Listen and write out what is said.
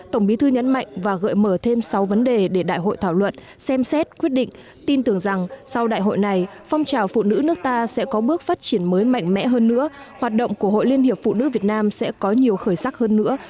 tổng bí thư nhấn mạnh và gợi mở thêm sáu vấn đề để đại hội thảo luận xem xét quyết định tin tưởng rằng sau đại hội này phong trào phụ nữ nước ta sẽ có bước phát triển mới mạnh mẽ hơn nữa hoạt động của hội liên hiệp phụ nữ việt nam sẽ có nhiều khởi sắc hơn nữa